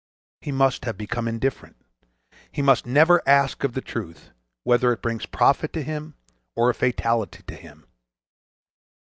He must have become indifferent; he must never ask of the truth whether it brings profit to him or a fatality to him....